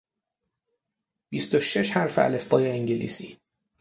بیست و شش حرف الفبای انگلیسی